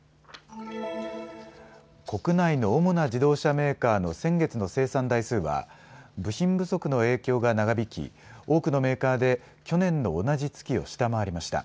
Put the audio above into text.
国内の主な自動車メーカーの先月の生産台数は部品不足の影響が長引き多くのメーカーで去年の同じ月を下回りました。